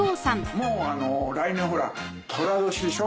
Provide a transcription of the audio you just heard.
もう来年ほら寅年でしょ？